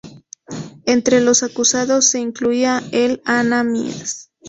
Entre los acusados se incluía el Ananías.